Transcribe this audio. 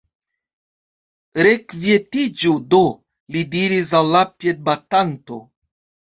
Rekvietiĝu do! li diris al la piedbatanto.